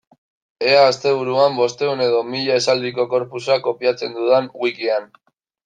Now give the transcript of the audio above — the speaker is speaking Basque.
Ea asteburuan bostehun edo mila esaldiko corpusa kopiatzen dudan wikian.